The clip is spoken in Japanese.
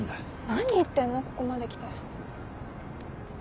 何言ってんのここまで来て。